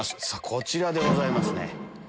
こちらでございます。